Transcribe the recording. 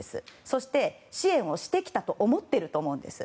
そして、支援をしてきたと思っていると思うんです。